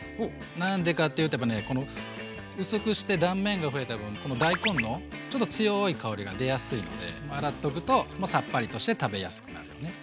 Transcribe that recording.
何でかっていうとやっぱねこの薄くして断面が増えた分この大根のちょっと強い香りが出やすいので洗っとくとさっぱりとして食べやすくなるのね。